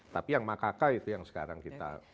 tapi yang makaka itu yang sekarang kita